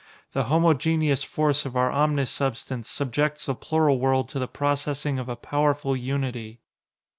The homogeneous force of our omni substance subjects the plural world to the processing of a powerful unity.